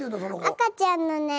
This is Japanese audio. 赤ちゃんのね